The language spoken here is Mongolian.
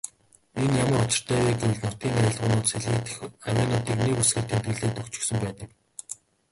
Энэ ямар учиртай вэ гэвэл нутгийн аялгуунуудад сэлгэгдэх авиануудыг нэг үсгээр тэмдэглээд өгчихсөн байдаг.